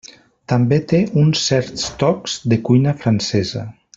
També té uns certs tocs de cuina francesa.